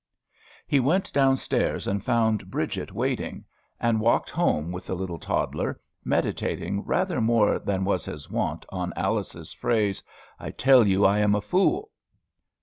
He went down stairs and found Bridget waiting, and walked home with the little toddler, meditating rather more than was his wont on Alice's phrase, "I tell you, I am a fool."